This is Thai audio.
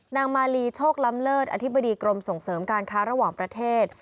นางมาลีโชคล้ำเลิศอธิบดีกรมส่งเสริมการค้าระหว่างประเทศ